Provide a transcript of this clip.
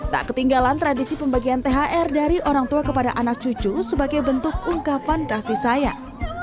tak ketinggalan tradisi pembagian thr dari orang tua kepada anak cucu sebagai bentuk ungkapan kasih sayang